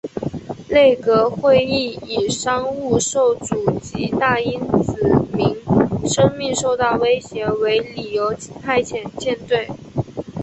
内阁会议以商务受阻及大英子民生命受到威胁为理由派遣舰队。